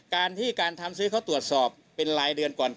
การที่การทำซื้อเขาตรวจสอบเป็นรายเดือนก่อน